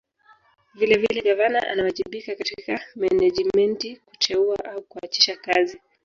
Vilevile Gavana anawajibika katika Menejimenti kuteua au kuachisha kazi